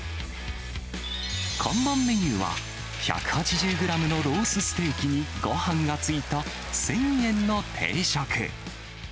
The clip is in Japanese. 看板メニューは、１８０グラムのロースステーキにごはんが付いた１０００円の定食。